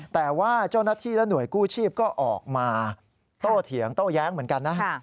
แต่ว่าเจ้าหน้าที่และหน่วยกู้ชีพก็ออกมาโตเถียงโต้แย้งเหมือนกันนะ